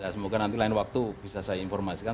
semoga nanti lain waktu bisa saya informasikan